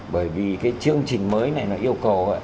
bởi vì cái chương trình mới này nó yêu cầu